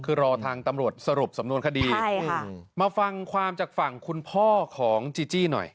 คือรอทางตำรวจสรุปสำนวนคดีมาฟังความจากฝั่งคุณพ่อของจีจี้หน่อย